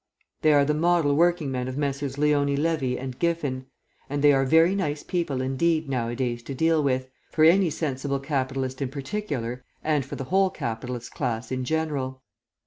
They are the model working men of Messrs. Leone Levi & Giffen, and they are very nice people indeed nowadays to deal with, for any sensible capitalist in particular and for the whole capitalist class in general.